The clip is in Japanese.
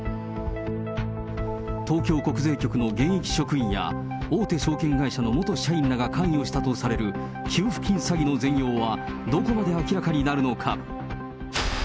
東京国税局の現役職員や、大手証券会社の元社員らが関与したとされる給付金詐欺の全容は、どこまで明らかになるのか。